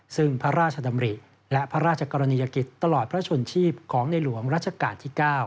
ซึ่งพระราชดำริและพระราชกรณียกิจตลอดพระชนชีพของในหลวงรัชกาลที่๙